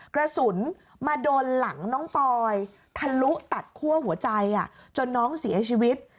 กระสุนมาโดนหลังน้องปอยทะลุตัดคั่วหัวใจจนน้องเสียชีวิต